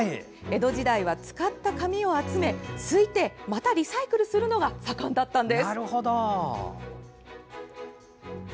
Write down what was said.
江戸時代は使った紙を集め、すいてまたリサイクルするのが盛んだったんです。